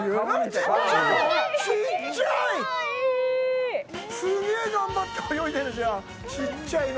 ちっちゃい！